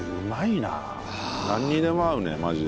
なんにでも合うねマジで。